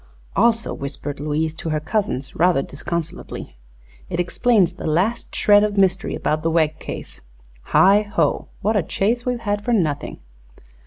"Also," whispered Louise to her cousins, rather disconsolately, "it explains the last shred of mystery about the Wegg case. Heigh ho! what a chase we've had for nothing!"